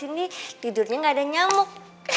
ini tidurnya nggak ada nyamuk